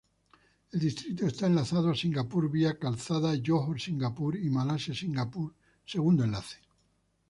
El distrito está enlazado a Singapur vía Calzada Johor-Singapur y Malasia –Singapur Segundo Enlace.